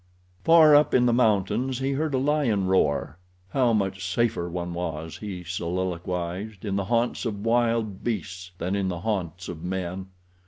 Far up in the mountains he heard a lion roar. How much safer one was, he soliloquized, in the haunts of wild beasts than in the haunts of men.